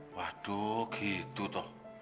waduh gitu toh